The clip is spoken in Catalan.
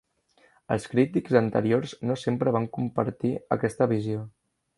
Els crítics anteriors no sempre van compartir aquesta visió.